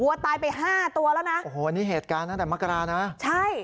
ตายไปห้าตัวแล้วนะโอ้โหนี่เหตุการณ์ตั้งแต่มกรานะใช่